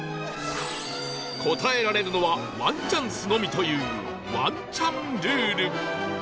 答えられるのはワンチャンスのみというワンチャンルール